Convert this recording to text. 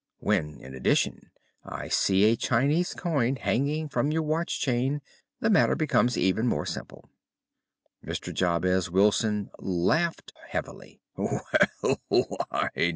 When, in addition, I see a Chinese coin hanging from your watch chain, the matter becomes even more simple." Mr. Jabez Wilson laughed heavily.